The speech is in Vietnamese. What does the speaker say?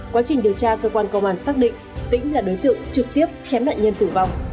quá trình điều tra cơ quan công an xác định tĩnh là đối tượng trực tiếp chém nạn nhân tử vong